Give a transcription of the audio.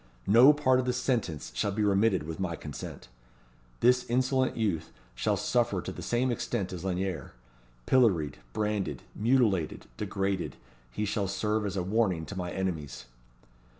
No part of the sentence shall be remitted with my consent. This insolent youth shall suffer to the same extent as Lanyere. Pilloried, branded, mutilated, degraded, he shall serve as a warning to my enemies."